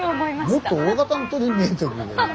もっと大型の鳥に見えてくるけどね。